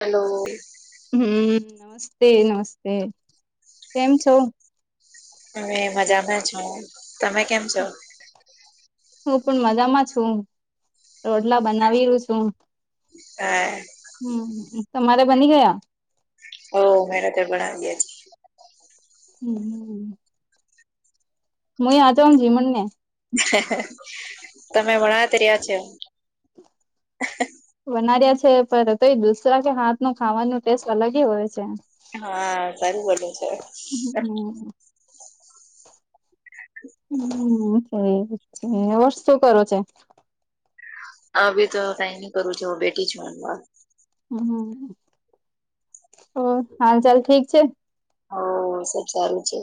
Hello. હમ્મ નમસ્તે નમસ્તે કેમ છો? હમે મજામાં છો. તમે કેમ છો? હું પણ મજામાં છું. રોટલા બનાવી રુ છું. હા હમ્મ હમ્મ તમારે બની ગયા? હો મેને તો બાના લીયા છે. હમ્મ, હમ્મ. મુહ આજે જીમન મેં. તમે ભણાત રહ્યા છે. બનાર્યા છે પર તો એ દુસરા કે હાથ ના ખાવાનું ટેસ્ટ અલગ હી હોય છે. હા, સારું બનું છે. હમ હમ્મ, એ છે છે વે શું કરો છો? હવે તો કઈ નહી કરું છું હું બેઠી છું હમણાં. હમ્મ, તો હાલ ચાલ ઠીક છે? હા શું ચામ છે?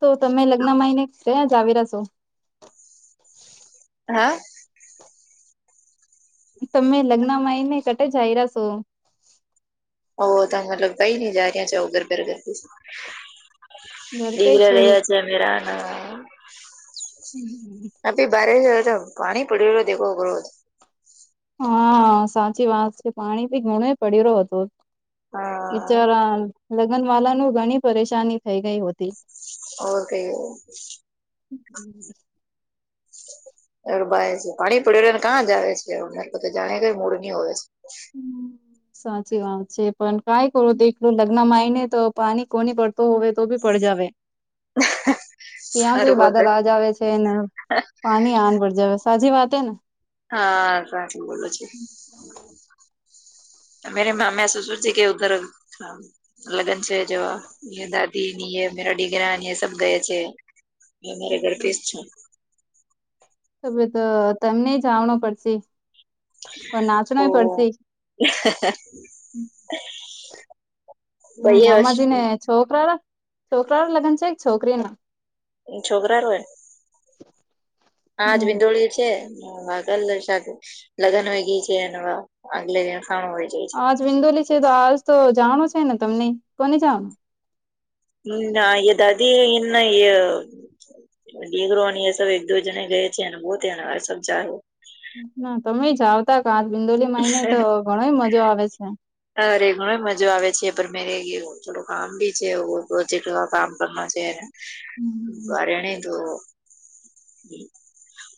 તો તમે લગ્ન મહિને ક્યાં જાવેરા સો? હા. તમે લગ્ન મયને કટે જાઈ રહાસો? ઓ તા મતલબ કઈ ન જાય રહ્યા છો ઘર પે રેહું ઘર પે દીકરા છો રહ્યા છે મેરા ના. અભી બારિશ તો પાણી પડયુ રહ દેખો [unintelligible] હા સાચી વાત છે પાણી બી ઘણો પડી રહ્યું હતું. હા બીચારા લગ્ન વાલા નું ઘણી પરેશાની થઈ ગઈ હોતી. ઓકે. [inaudible] અરે ભાઈ પાણી પડી રહ્યુ કાં જવે છેને તો જાણે કે મૂળ ની હોવે છે. સાચી વાત છે પણ કાંઈ કરું દેખલું લગ લગ્ન માઇને તો પાની કોની પડતું હોવે તોબી પડ જાવે. ત્યાં સે સારું બોલે બાદલ આજાવે છે ને પાણી આન પર જાવે છે. સાચી વાત હે ન. હા સાચું બોલો છો. મેરે મામા સસુરજી કે ઉધર થા લગ્ન છે જાવા મેરે દાદી ની એ મેરા ડીગરા ની એ સબ ગયે છે. અમારા ઘર પેજ થા [unintelligible] હવે તો તમને જાવાનું પડશે? પણ નાચણોય પડશે હો. હા મામાજી ને છોકરા ના છોકરા ના લગ્ન છે કે છોકરી ના છોકરા નો હે આજ હમ વિદોળી છે [unintelligible] લગ્ન વહી ગય છે અને આગલે દિન ખાવાનું હોય. જાય છે આજ વિંદોલી છે તો આજ તો જાવાનું છે ને તમને કોને જાવાનું? ના યે દાદી ઈના ય ડીગરો અને એ સબ એક દો જણે ગયે થેને બો થિયા ને આ સબ જાર ના તમે જાવતા કા બિંદોલી માય ને તો ઘણોય મજો આવે છે. અરે ઘણો મજો આવે છે પણ મેરે યે થોડું કામ બી છે પ્રોજેક્ટ કામ કરવા છે ને બરેણે તો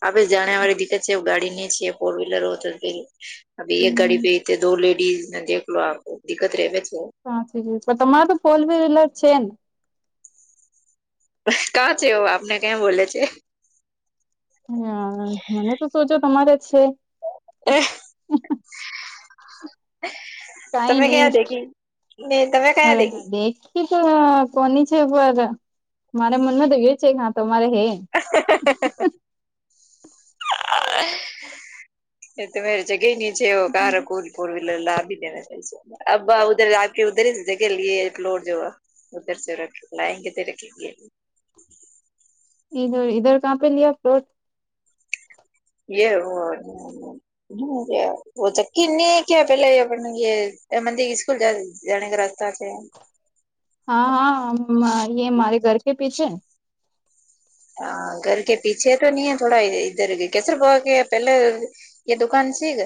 આપડે જાણ્યા વાળી દિકકત છે ગાડી ની છે ફોર વ્હીલર હોય તો કે અભી એક ગાડી હમ પે ઈથે દો લેડીઝ ને એકલો હાકુ દિક્કત રેવે છે. સાચી જ પન તમારે તો ફોર વ્હીલર છે ને? કાં છે એવ આપને કેમ બોલે છે? હા મને તો સોચો તમારે છે. એ કઈ તમે નહી કયા દેખી ને તમે કયા દેખી? [unintelligible] કોની છે પર મારા મનમાં તો એ છે હાં તમારી હે. [inaudible] એ તમેરે જગ્યા નીચે ઓ કહા રખું ફોર વિલ લભી દેવા અબ ઉધર જાકે ઉધર જગ્યા લઈએ એટલોર જોવા [unintelligible] ઉધર સે રખ લાયેંગે તેરે લીયે. ઇધર ઇધર કહાં પે લીયા પ્લોટ? યે વો હમ યે વો ચક્કી ની કે પેલે યે [unintelligible] સ્કૂલ જાણે કા રાસ્તા છે. હા હા યે મારે ઘર કે પીછે, હા ઘર કે પીછે તો ની એ થોડા ઇધર કેસર ભવ કે પહેલા, એ દુકાન છે ગ,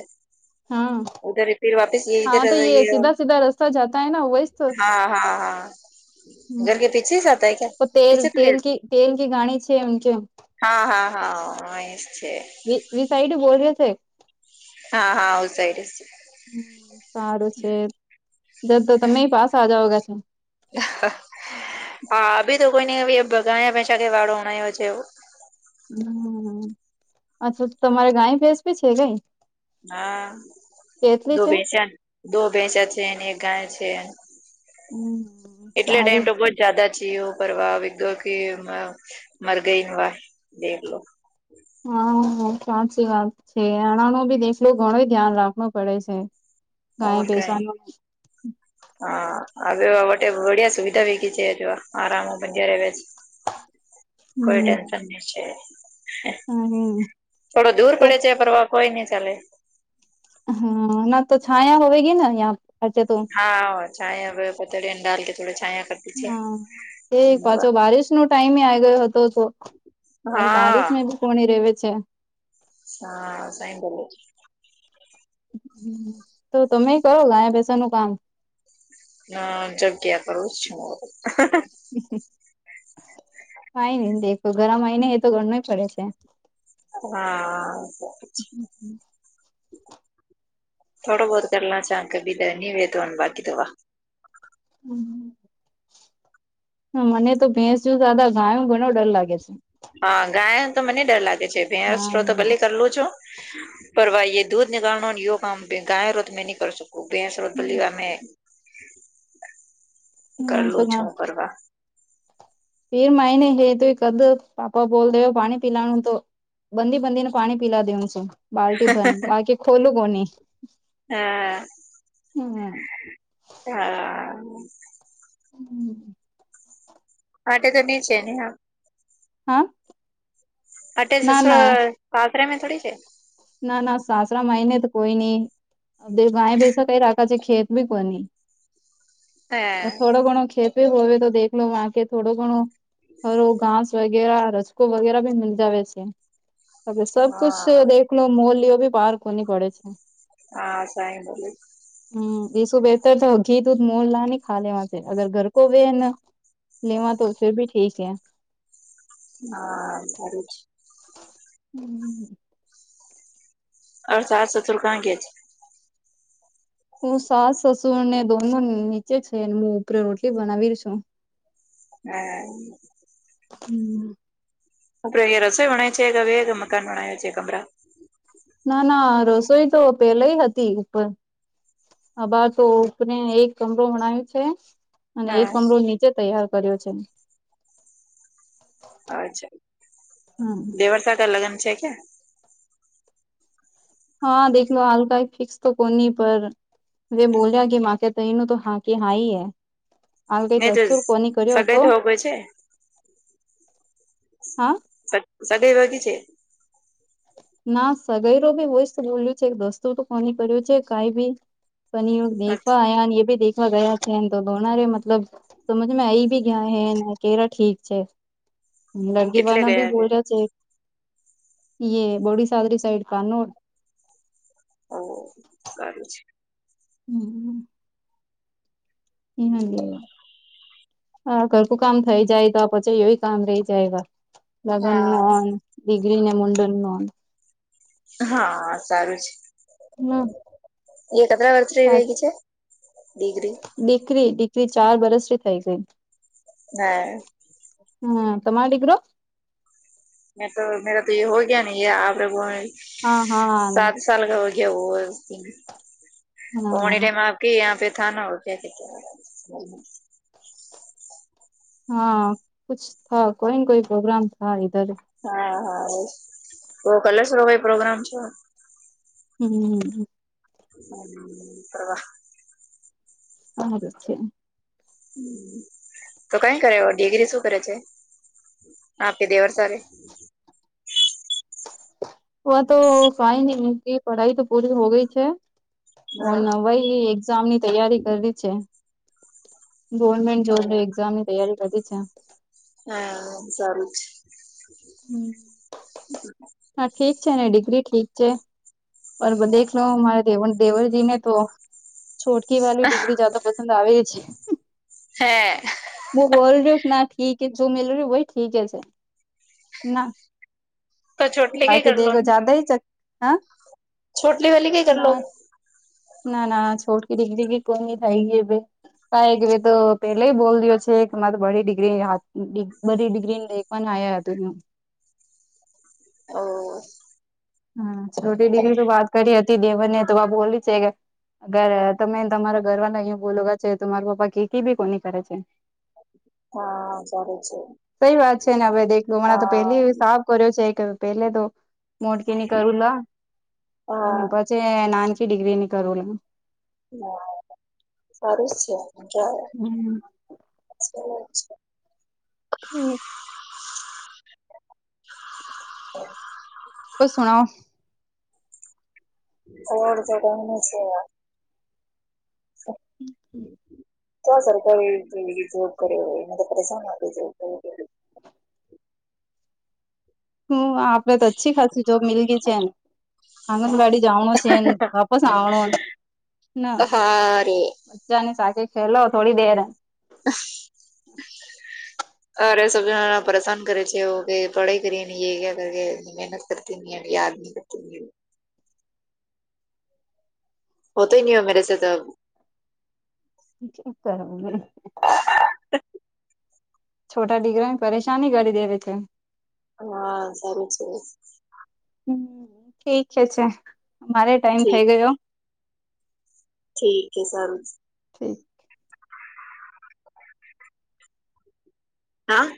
હા, ઉધર ફિર વાપિસ યે ઇધર યે, હા હા હા, ઘર કે પીછે સ આતા હે ક્યા પીછી થોડી આત તેલ કી ધાણી છે ઉનકે, હા હા હા એજ છે. વી વી સાઈડે બોલ રર્યો છે. હા હા આવ સાઈડ સ, સારું છે જદ તો તમે પાસા જઓગા, હા અબી તો કોઈ નને અબી ગાય ભેંસ્યા કે વાળો બનાયો છે ઓ, હમ અચ્છા તો તમારે ગાય ભેસ વી છે કઈ, હા કેટલી દો છે ભેંચ્યા દો ભેંચ્યા છેને એક ગાય છે. હમ એટલે ટાઈમ સારું તો બહત જાદા છી ઓ પરરવા અબે, ગ કે વ મર ગઈ ન વા દેખલો, હા સાચી વાત છે અનાણા નો ભી દેખલો ઘણોઈ ધ્યાન રાખણો પડે છે. ગાય ઔર કઈ, ભેસાનું હા હવે વા વટે બડિયા સુવિધા વેગી છે જો વા આરામુ બદ્ ર્યા રેવે છે. [inaudible] કોઈ હમ ટેન્શન નહી છે હમ થોડો દૂર તો પડે છે પરવા, કોઈની ચાલે. હા ના તો છાયા હોવે ગી ને યા ખચે તો, હા છાયા પતડીયાને ડાલ કે થોડી છાયા કર, હા એક પાછો બારિશ નો ટાઈમે આઈ ગયો હતો તો, હા, કોણી રહેવે છે. સા સાઈં કેવે છે. તો તમે કરો ગાયા ભૈસા નું કામ. હા જબ ક્યાં કરું છું ઓ, કાઈ ની દેખ ઘર માંઆવીને હૈ તો કર નો ઇ પડે છે. હા સાચી, થોડા બહુત કર લ ચા કભી તો ની વે તોવાનું બાકી ત વા. મને તો ભેંસુ જ્યાદા ગાયુ ઘણો ડર લાગે છે. હા ગાય ન તો મને ડર લાગે છે ભેસો હા રો તો ભલે કરલું છું. પર વા યે દૂધ નિકાલના યો કામ ગાય રો ધ મેં ની કર સકુ. ઉ ભૈસ રોત ભલી વા મૈ મને તો કરલું છું પરવા, પીર માને હે તોઇ કર દુ પાપા બોલ દે પાણી પિલાનું તો, બંધી બંધીને પાણી પીલા દેવ છું બાલ્ટી ભર ને બાકી ખોલું કોની, હા હમ હા, હમ, અટે તો નઈ છે ને હા, હા, અટે ના ના સસુર પાસરે મેં થોડી છે. ના ના સાસરા મહિને તો કોઈ નઈ ગયા બેસા કઈ રાખા છે, ખેત બી કો હે થોડો ઘણો ખેત હોવે તો દખલો લો આ કે થોડો ઘણું ઓ ઘાસ વગેરા રસકો વગેરા ભી મી જવે સબકછ હા દે મોલ બી બહાર કોની પડે છે. હા સાઈ બો હમ એસું બેતર તો ઘીત ઉધ મોર લ ખા લેવા અગર ઘરકો વે ને લેવા તો ફીરભી ઠીસે હા આવે છે. હમ્મ હમ્મ અ સાત સસુર કયા ગીયે છે. હું સાસ સસુર અનેને દોનો નીચે છે હું ઉપરે રોટલી બનાવી છુ. હે હમ્મ આપડે અહીંયા રસોઈણાય છે, કે હવે મકાન ભણાય છે, ગમરા ના ના રસોઈ તો પેલે હતી ઉપર આબાર તોને એક કમરો મણાયું છે. અને એક કમરો હા નીચે તૈયાર કર્યો છે. અચ્છા હા દેવળ સાથે લગન છે, કે હા દલો હાલકાઈ ફિક્સ તો કોન પર વ બોલ્યા કે મા કે ત એનું તો હા કે હાાઈ એ હાલ કઈ ને તો દસ્તુર કોની કર્યો હતો. સગાઈ તો હો ગઈ છે હા સાત સાતિ વાગી છે. ના સગાઈરો બી હોય જ બોલ્યું છે દસ્તું તો કોની કર્યું છે કઈ બી પનીયુ દેખવા આયા અને એ ભી દેખવા ગયા. હેન તો દોના ર મતલબ સમજ મે આ ભી ગયા હે કેરા ઠીક છે. કેટલે લડકીભાનાભી ગયા બોલયા છે. એે બોડીસદરી સઈડ ત ન ઓ ઓ સરુ છે. હમ્મ એ ના કેવ હ ઘરકું કામ થઈ જાય તો પછી એય કામ રહી જાય. હા લગનમાં દીગરીને મુંડનમા હા સારુ છે, એતરા વર્ષ થ્રી વિલ છે, ડિગ્રી દીકરી દીકરી ચાર વરસથી થઈ ગઈ. હા હ તમારો દીકરો મેં તો મેરા તો એ હો ગયા ને આરેગો. હા હા તને ખબર કેવું હા હોય કે આયા પે થ ના હો ક્યા હા કછ થ કોઈ નને કોઈ પ્રોગ્રામ થ ધર હા હા બસ તો કલશરોવા પ્રોગ્રામ છે. હમ્મ પ્રવાહ હારુ જ છે. હ તો કઈ કરે ડિગ્રી શું કરે છે આપે દેવર સ હ તો ફાઈ ન પઢાઈ તો પૂરી હો ગઈ છે. ઓ નવાઈ એક્ઝામની તૈયારી કરવી છે. ગવર્મેન્ટ જોબની એક્ઝામની તૈયારી કરવી છે. હા સારુ છે. હા ઠીક છે ને ડિગ્રી ઠીક છે. પર દેખલો દેવ દેવરજીને તો છોટકી વાી ટિગડી જદ પ ઠડ આવે છે. હા. બું બોલ રહ્યું, ના ઠીક, જો મેલ્યું હોય, ઠીક છે, ના તો ચોટલી કઈ બાકી કર લો દખો, જદ હ ચ હા છોટલી વાલી કઈ કરેલો ના ના, ના છોટકી દીગરી ડીગરી કોઈ થાય જવે ક કે ભ તો પેલે બોલ દયો છે, કે મારે બડી ડિગ્રી બી ડિગ્રી ને લઈ પણ આ ત ન ઓ હમ, છોટીડી ની તો વાત કરી હતી, દેવનને તો બોલી છેકે. અગર તમે તમારા ઘરવા ના અહી બોલો છે, તો મારા પપ્પા કી બી કોની કરે છે. હા, સારુ છે. સઈ વાત છે ને, હવે દેખલો મણા તો હા પેલી હિસાબ કર્યો છે કે, પહેલે તો મો ની કરું લે, અને હા પછી નાનકી ડિગ્રી ની કરું લ હા, સારું જ છે. હમ્મ અચ ઠીક [unintelligible] ત સુનાઓ કોર જગને છે. સ ક સરકાર જોબ કરે હોય, એમાં તો પરેશાન જોબ કરે હ, આપડે તો અચ્છી ખાસી જોબ મિલ ગઈ છે, મ આંગણવાડી જણ છે, વાપસ આવણ ના હા રે જાની સાથે ખેલો થોડી દેર [unintelligible] અરે સૌ જણા પરેશાન કરે છે, એવ કે પઢાઈ કરી, ક્યા મહેનત કરતી, યાદ તો હો, તો ન હો મેરેસે તો ચ કરને છોટા દીકરાને પરેશાની કરી દેવે છે. હા, સારી છે. હમ, ઠીક હ છે, મારે ટાઈમ ઠીક થઇ ગયો. ઠીક છે, સર ઠીક હા.